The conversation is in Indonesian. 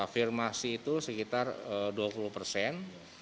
afirmasi itu sekitar dua puluh persen